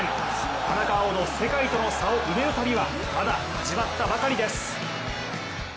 田中碧の世界との差を埋める旅はまだ始まったばかりです。